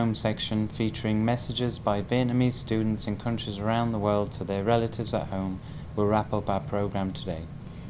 trước tiên xin mời quý vị khán giả cùng theo dõi những thông tin đáng chú ý ngay sau đây